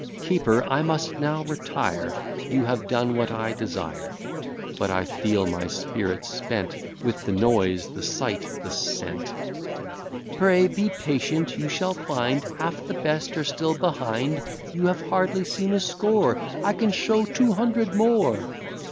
Keeper, I must now retire, You have done what I desire: But I feel my spirits spent With the noise, the sight, the scent. "Pray, be patient; you shall find Half the best are still behind! You have hardly seen a score; I can show two hundred more."